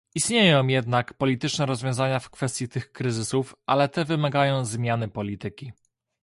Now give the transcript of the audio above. Istnieją jednak polityczne rozwiązania w kwestii tych kryzysów, ale te wymagają zmiany polityki